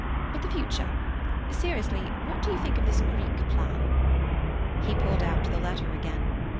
But the future. Seriously, what do you think of this Greek plan?" He pulled out the letter again.